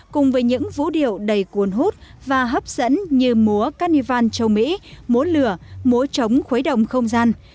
cùng với những vũ điệu đầy cuốn hút và hấp dẫn như múa carnival châu mỹ múa lửa múa trống khuấy động không gian